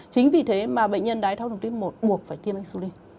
chính vì thế mà bệnh nhân đáy tháo đường tiếp một buộc phải tiêm insulin